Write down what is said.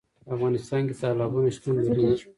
په افغانستان کې تالابونه شتون لري.